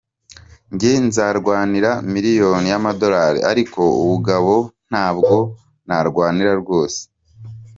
Njye nzarwanira miliyoni y’amadolari ariko ubugabo ntabwo narwanira rwose.